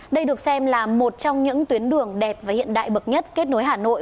đây được xem là một trong những tuyến đường đẹp và hiện đại bậc nhất kết nối hà nội